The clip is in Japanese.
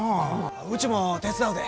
うちも手伝うで。